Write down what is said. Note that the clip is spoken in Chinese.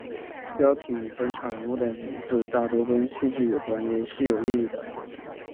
标题与登场人物的名字大多跟戏剧有关也是有意为之。